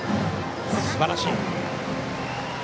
すばらしい。